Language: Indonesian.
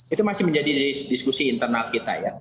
itu masih menjadi diskusi internal kita ya